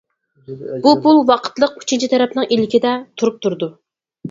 بۇ پۇل ۋاقىتلىق، ئۈچىنچى تەرەپنىڭ ئىلكىدە تۇرۇپ تۇرىدۇ.